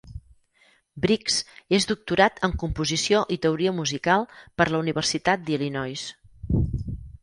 Briggs és doctorat en Composició i Teoria Musical per la Universitat d'Illinois.